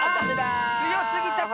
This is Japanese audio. あっつよすぎたか！